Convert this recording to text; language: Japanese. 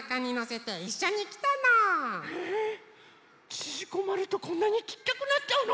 ちぢこまるとこんなにちっちゃくなっちゃうの？